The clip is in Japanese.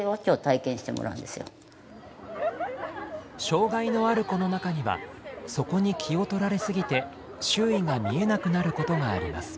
障がいのある子の中にはそこに気をとられすぎて周囲が見えなくなることがあります。